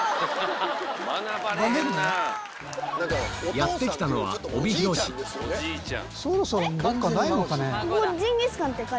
やって来たのはそろそろどっかないのかね。